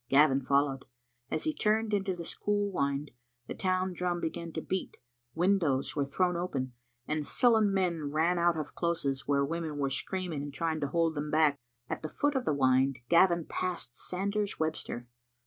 Gavin followed. As he turned into the school wynd, the town drum began to beat, windows were thrown open, and sullen men ran out of closes where women were screaming and trying to hold them back. At the foot of the wynd Gavin passed Sanders Webster.